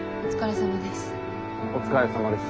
お疲れさまです。